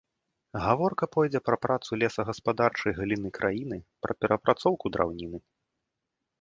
Гаворка пойдзе пра працу лесагаспадарчай галіны краіны, пра перапрацоўку драўніны.